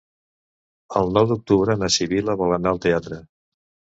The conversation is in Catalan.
El nou d'octubre na Sibil·la vol anar al teatre.